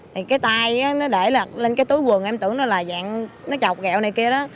thì cái tay nó để lên cái túi quần em tưởng nó là dạng nó chọc kẹo này kia đó